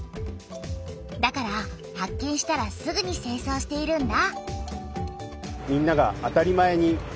だから発見したらすぐにせいそうしているんだ。